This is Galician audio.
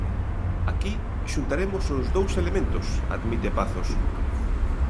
Aquí xuntaremos os dous elementos, admite Pazos.